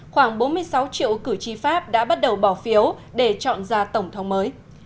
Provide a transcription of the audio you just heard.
khoảng bốn mươi sáu triệu cử tri pháp đã bắt đầu bỏ phiếu để chọn ra tổng thống mới